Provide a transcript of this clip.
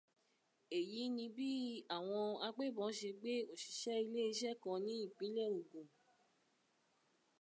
Èyí ni bí àwọn agbébọn ṣe gbé òṣìṣẹ́ iléeṣẹ́ kan ní ìpínlẹ̀ Ògùn